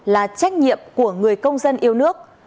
là trách nhiệm của người công dân yêu nước